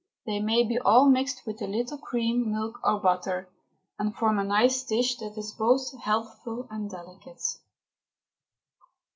They may be all mixed with a little cream, milk, or butter, and form a nice dish that is both healthful and delicate.